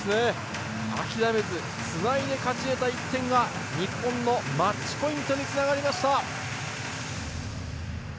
諦めずつないで勝ち得た１点が、日本のマッチアップにマッチポイントにつながりました。